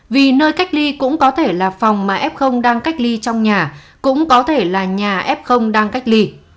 vì nơi cách ly cũng có thể là phòng mà f đang cách ly trong nhà cũng có thể là nhà f đang cách ly